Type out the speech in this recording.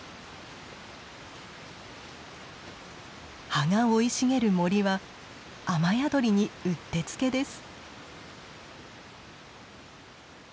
葉が生い茂る森は雨宿りにうってつけです。